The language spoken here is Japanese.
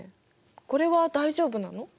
これは大丈夫なの？